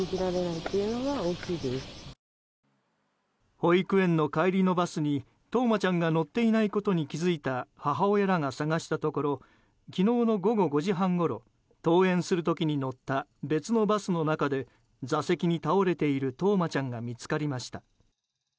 保育園の帰りのバスに冬生ちゃんが乗っていないことに気づいた母親らが捜したところ昨日の午後５時半ごろ登園する時に乗った別のバスの中で座席に倒れている冬生ちゃんが見つかりました。